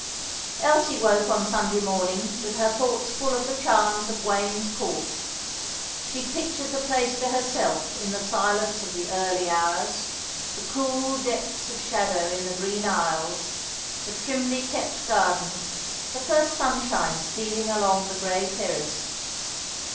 Elsie woke on Sunday morning with her thoughts full of the charms of Wayne's Court. She pictured the place to herself in the silence of the early hours, the cool depths of shadow in the green aisles, the trimly kept gardens, the first sunshine stealing along the grey terrace.